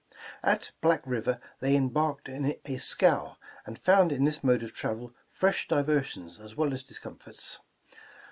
At Black River they embarked in a scow, and found in this mode of travel fresh diversions as well as dis comforts.